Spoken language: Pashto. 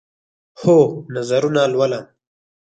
هو، نظرونه لولم